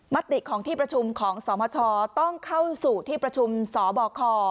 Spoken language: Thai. ติของที่ประชุมของสมชต้องเข้าสู่ที่ประชุมสบค